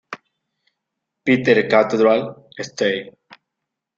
Peter Cathedral", "St.